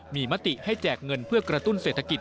มีมติให้แจกเงินเพื่อกระตุ้นเศรษฐกิจ